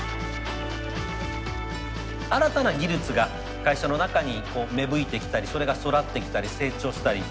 新たな技術が会社の中に芽吹いてきたりそれが育ってきたり成長したり。